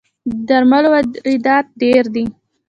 د درملو واردات ډیر دي